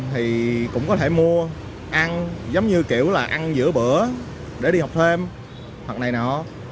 thì cũng có thể mua ăn giống như kiểu là ăn giữa bữa để đi học thêm hoặc này nọ